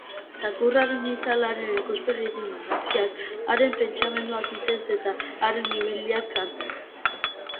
Zakurraren itzalaren ikuspegitik marrazkiak, haren pentsamentuak hitzez eta haren ibiliak kantuz.